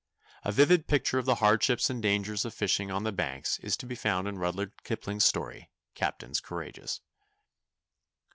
A vivid picture of the hardships and dangers of fishing on the Banks is to be found in Rudyard Kipling's story, "Captains Courageous."